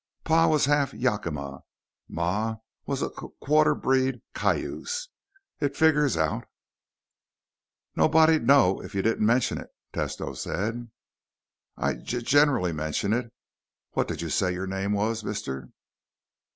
"Pa was half Yakima. Ma was a q quarter breed Cayuse. It figures out." "Nobody'd know it if you didn't mention it," Tesno said. "I g generally mention it. What did you say your name was, mister?"